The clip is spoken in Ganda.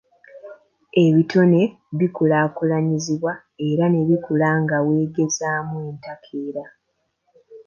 Ebitone bikulaakulanyizibwa era ne bikula nga weegezaamu entakera.